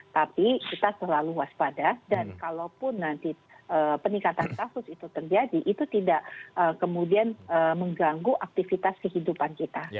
tapi kita selalu waspada dan kalaupun nanti peningkatan kasus itu terjadi itu tidak kemudian mengganggu aktivitas kehidupan kita